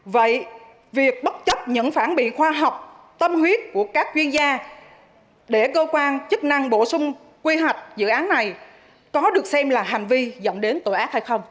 vậy việc bất chấp những phản biện khoa học tâm huyết của các chuyên gia để cơ quan chức năng bổ sung quy hoạch dự án này có được xem là hành vi dẫn đến tội ác hay không